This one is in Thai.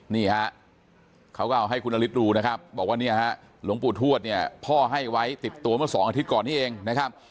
นี่ฮะเขาก็เอาให้คุณนฤทธิ์ดูนะครับบอกว่าเนี่ยฮะหลวงปู่ทวดเนี่ยพ่อให้ไว้ติดตัวเมื่อสองอาทิตย์ก่อนนี้เองนะครับ